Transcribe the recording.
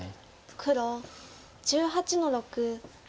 黒１８の六ツケ。